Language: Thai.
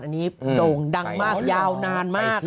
อันนี้โด่งดังมากยาวนานมาก